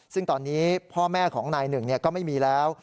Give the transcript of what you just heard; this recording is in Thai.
ซึ่งตอนนี้พ่อแม่ของนายหนึ่งก็ไม่มีแล้ว